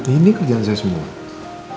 ini kerjaan saya semua